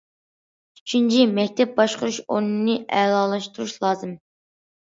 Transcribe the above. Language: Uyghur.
ئۈچىنچى، مەكتەپ باشقۇرۇش ئورنىنى ئەلالاشتۇرۇش لازىم.